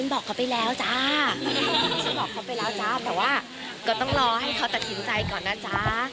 ไม่ได้มีความคิดนั้นในสมองเลยจ้า